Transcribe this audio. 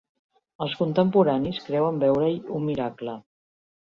Els contemporanis creuen veure-hi un miracle.